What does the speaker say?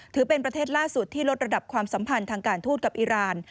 ถือเป็นประเทศล่าสุดที่ลดระดับความสัมพันธ์ทางการทูตกับอิราณ